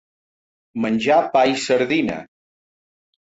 Menjar pa i sardina.